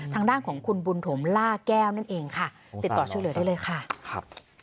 ทางด้านของคุณบุญถมล่าแก้วนั่นเองค่ะติดต่อช่วยเหลือได้เลยค่ะครับ